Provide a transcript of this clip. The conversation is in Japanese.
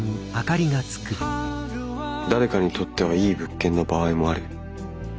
誰かにとってはいい物件の場合もある。